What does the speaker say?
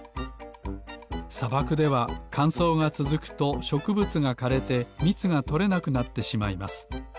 さばくではかんそうがつづくとしょくぶつがかれてみつがとれなくなってしまいます。